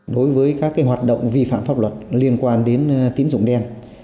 đối với các hoạt động vi phạm pháp luật liên quan đến tín dụng đen